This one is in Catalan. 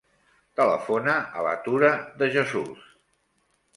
Telefona a la Tura De Jesus.